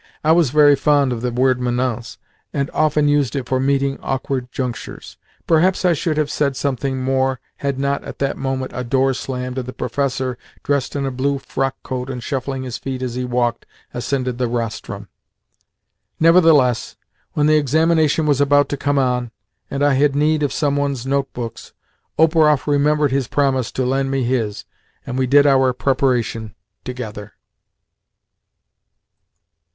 (I was very fond of the word manants, and often used it for meeting awkward junctures.) Perhaps I should have said something more had not, at that moment, a door slammed and the professor (dressed in a blue frockcoat, and shuffling his feet as he walked) ascended the rostrum. Nevertheless, when the examination was about to come on, and I had need of some one's notebooks, Operoff remembered his promise to lend me his, and we did our preparation together.